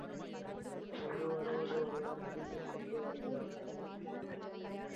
ஒருவரோடு ஒருவர் பின்னிக்கொண்டு வருகிறார்கள்.